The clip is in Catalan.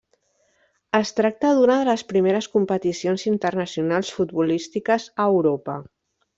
Es tracta d'una de les primeres competicions internacionals futbolístiques a Europa.